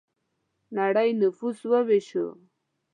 نړۍ نفوس وویشو.